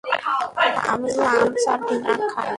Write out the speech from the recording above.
আমি লাঞ্চ আর ডিনার খাই।